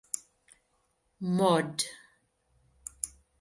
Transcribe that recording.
Mod.